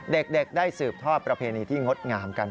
เด็กได้สืบทอดประเพณีที่งดงามกัน